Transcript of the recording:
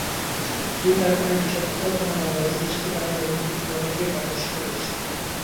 দুই কারখানার বিষাক্ত বর্জ্যমিশ্রিত পানি ব্রহ্মপুত্র নদে গিয়ে পানি দূষিত করছে।